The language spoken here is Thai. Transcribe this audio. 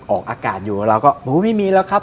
ออกอากาศอยู่เราก็ไม่มีแล้วครับ